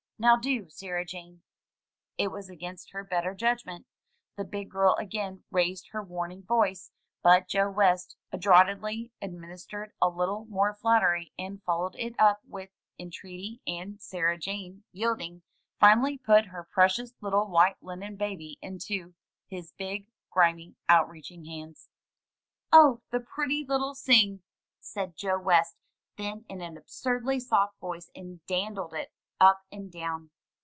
Now do, Sarah Jane." ' It was against her better judgment; the big girl again raised her warning voice; but Joe West adroitly administered a little more flattery, and followed it up with entreaty, and Sarah Jane, yielding, finally put her precious little white linen baby into his big, grimy, out reaching hands. "Oh, the pretty little sing!" said Joe West then, in an ab surdly soft voice, and dandled it up and down.